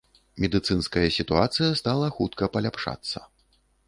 Медыцынская сітуацыя стала хутка паляпшацца.